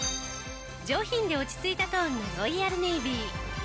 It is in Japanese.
上品で落ち着いたトーンのロイヤルネイビー。